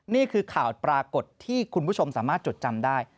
นี่คือข่าวปรากฏที่คุณผู้ชมสามารถจดจำได้